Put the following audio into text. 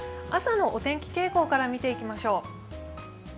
朝のお天気傾向から見ていきます。